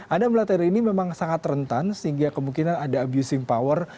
anda melihat teori ini memang sangat rentan sehingga kemungkinan ada abusing power